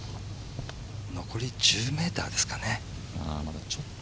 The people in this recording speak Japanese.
残り１０ｍぐらいですかね。